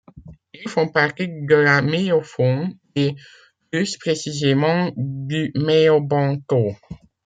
Ils font partie de la méiofaune et plus précisément du meiobenthos.